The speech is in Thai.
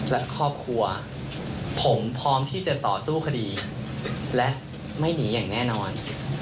และครอบครัวผมพร้อมที่จะต่อสู้คดีและไม่หนีอย่างแน่นอน